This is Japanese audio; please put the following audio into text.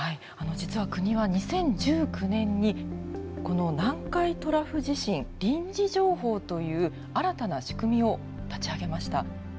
実は国は２０１９年にこの南海トラフ地震臨時情報という新たな仕組みを立ち上げました。